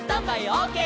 オーケー！」